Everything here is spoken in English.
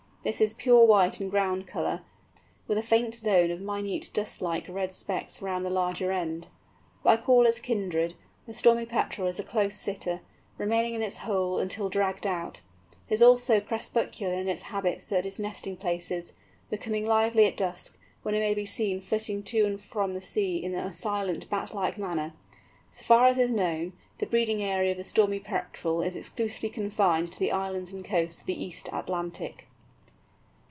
This is pure white in ground colour, with a faint zone of minute dust like red specks round the larger end. Like all its kindred, the Stormy Petrel is a close sitter, remaining in its hole until dragged out. It is also crepuscular in its habits at its nesting places, becoming lively at dusk, when it may be seen flitting to and from the sea in a silent bat like manner. So far as is known, the breeding area of the Stormy Petrel is exclusively confined to the islands and coasts of the East Atlantic.